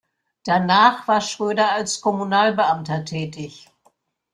Danach war Schröder als Kommunalbeamter tätig.